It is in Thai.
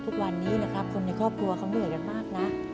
ทุกวันนี้นะครับคนในครอบครัวเขาเหนื่อยกันมากนะ